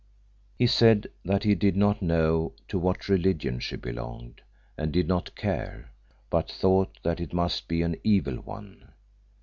He said that he did not know to what religion she belonged, and did not care, but thought that it must be an evil one.